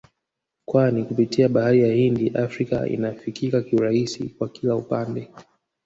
kwani kupitia bahari ya Hindi Afrika inafikika kiurahisi kwa kila upande